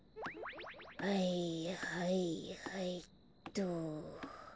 はいはいはいっと。